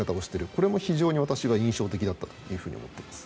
これも私は非常に印象的だったと思っています。